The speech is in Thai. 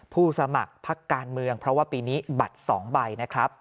สมัครพักการเมืองเพราะว่าปีนี้บัตร๒ใบนะครับ